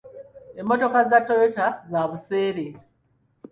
Emmotoka za toyota za buseere.